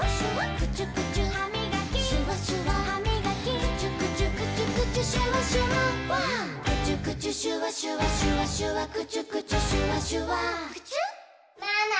「クチュクチュハミガキシュワシュワハミガキ」「クチュクチュクチュクチュシュワシュワ」「クチュクチュシュワシュワシュワシュワクチュクチュ」「シュワシュワクチュ」ママ。